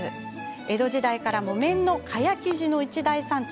江戸時代から木綿の蚊帳生地の一大産地。